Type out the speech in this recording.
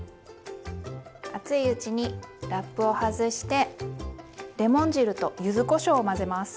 熱いうちにラップを外してレモン汁とゆずこしょうを混ぜます。